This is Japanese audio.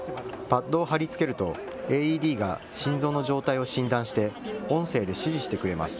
パッドを貼り付けるとＡＥＤが心臓の状態を診断して音声で指示してくれます。